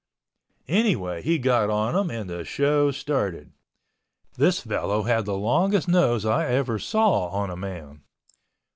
Anyway he got on him and the show started. This fellow had the longest nose I ever saw on a man.